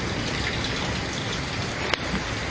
พร้อมทุกสิทธิ์